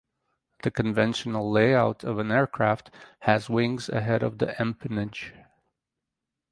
The conventional layout of an aircraft has wings ahead of the empennage.